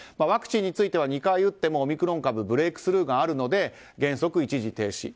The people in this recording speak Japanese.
ワクチンについては２回打ってもオミクロン株ブレークスルーがあるので原則一時停止。